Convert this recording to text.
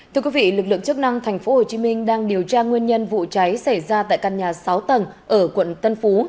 thưa quý vị lực lượng chức năng tp hcm đang điều tra nguyên nhân vụ cháy xảy ra tại căn nhà sáu tầng ở quận tân phú